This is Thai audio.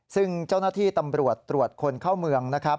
ซึ่งเจ้าหน้าที่ตำรวจตรวจคนเข้าเมืองนะครับ